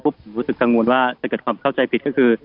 ผมรู้สึกกังวลว่าจะเกิดความเข้าใจผิดก็คือ